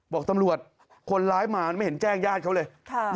บอกตำรวจคนร้ายมาไม่เห็นแจ้งญาติเขาเลย